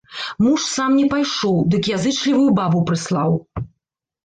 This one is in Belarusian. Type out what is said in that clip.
Муж сам не пайшоў, дык язычлівую бабу прыслаў.